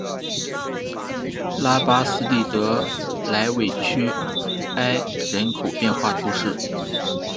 拉巴斯蒂德莱韦屈埃人口变化图示